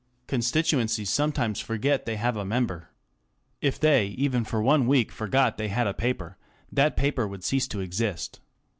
Constituencies sometimes forget they have a member. If they even for one week forgot they had a paper, that paper would cease to exist.